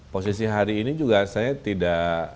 posisi hari ini juga saya tidak